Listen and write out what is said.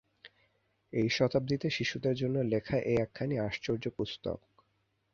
এই শতাব্দীতে শিশুদের জন্য লেখা এ একখানি আশ্চর্য পুস্তক।